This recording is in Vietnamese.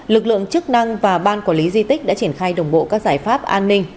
lực lượng chức năng và ban quản lý di tích đã triển khai đồng bộ các giải pháp an ninh